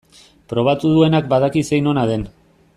Probatu duenak badaki zein ona den.